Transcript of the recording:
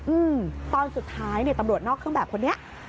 อืมตอนสุดท้ายเนี่ยตำรวจนอกเครื่องแบบคนนี้